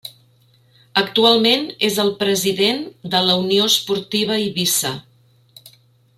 Actualment és el president de la Unió Esportiva Eivissa.